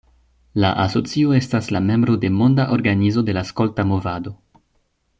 La asocio estas la membro de Monda Organizo de la Skolta Movado.